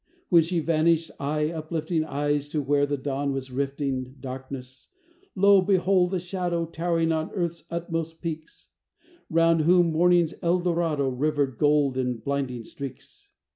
When she vanished, I uplifting Eyes to where the dawn was rifting Darkness, lo! beheld a shadow Towering on Earth's utmost peaks; Round whom morning's El Dorado Rivered gold in blinding streaks.